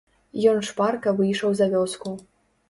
Ён шпарка выйшаў за вёску.